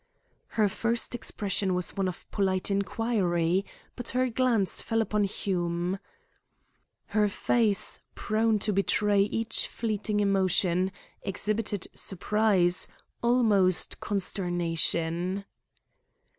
Her first expression was one of polite inquiry, but her glance fell upon Hume. Her face, prone to betray each fleeting emotion, exhibited surprise, almost consternation.